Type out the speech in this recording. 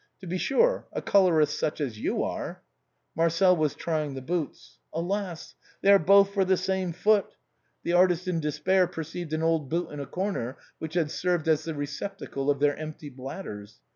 To be sure, a colorist such as you are —" Marcel was trying the boots. Alas ! they are both for the same foot ! The artist, in despair, perceived an old boot in a corner which had served as the receptacle of their empty bladders.